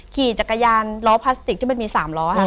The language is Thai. ขี่จักรยานล้อพลาสติกที่มันมี๓ล้อค่ะ